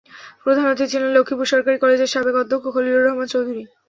প্রধান অতিথি ছিলেন লক্ষ্মীপুর সরকারি কলেজের সাবেক অধ্যক্ষ খলিলুর রহমান চৌধুরী।